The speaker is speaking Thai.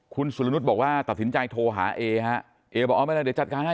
คุณสุรนุษย์บอกว่าตัดสินใจโทรหาเอฮะเอบอกเอาไม่ได้เดี๋ยวจัดการให้